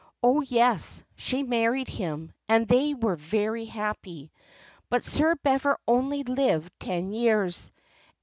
"Oh, yes, she married him, and they were very happy; but Sir Bever only lived ten years.